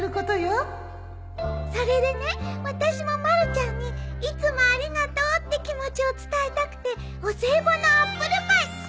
それでね私もまるちゃんに「いつもありがとう」って気持ちを伝えたくてお歳暮のアップルパイ作ったんだ。